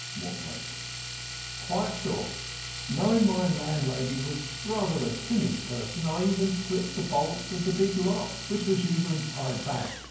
MORTLAKE: Quite sure. Knowing my landlady was rather a timid person, I even slipped the bolt of the big lock, which was usually tied back.